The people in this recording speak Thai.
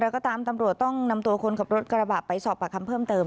แล้วก็ตามตำรวจต้องนำตัวคนขับรถกระบะไปสอบปากคำเพิ่มเติม